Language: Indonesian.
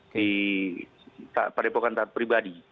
di padepokan pribadi